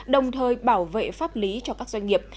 đồng thời bảo vệ pháp lý cho các doanh nghiệp